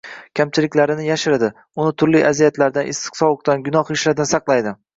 kamchiliklarini yashiradi, uni turli aziyatlardan, issiq-sovuqdan, gunoh ishlardan saqlaydi.